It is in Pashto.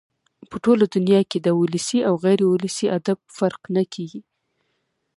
په ټوله دونیا کښي د ولسي او غیر اولسي ادب فرق نه کېږي.